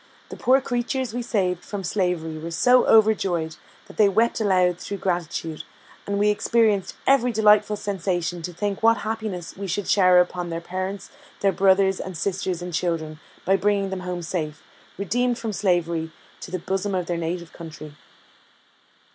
The poor creatures we saved from slavery were so overjoyed, that they wept aloud through gratitude, and we experienced every delightful sensation to think what happiness we should shower upon their parents, their brothers and sisters and children, by bringing them home safe, redeemed from slavery, to the bosom of their native country.